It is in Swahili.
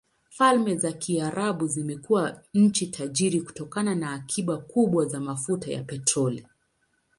Falme za Kiarabu zimekuwa nchi tajiri kutokana na akiba kubwa za mafuta ya petroli.